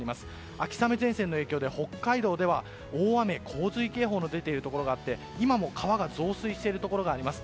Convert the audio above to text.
秋雨前線の影響で北海道では大雨・洪水警報が出ているところがあって今も川が増水しているところがあります。